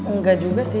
nggak juga sih